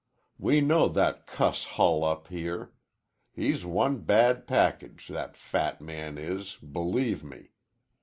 We know that cuss Hull up here. He's one bad package, that fat man is, believe me.